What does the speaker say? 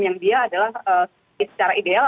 yang dia adalah secara ideal